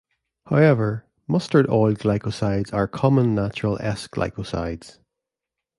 However, mustard oil glycosides are common natural S-glycosides.